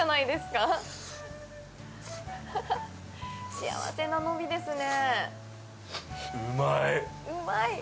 幸せな伸びですね。